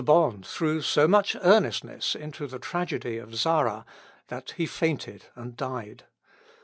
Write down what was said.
Bond threw so much earnestness into the tragedy of "Zarah," that he fainted and died.